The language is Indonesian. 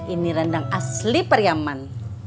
ini rendang asli periaman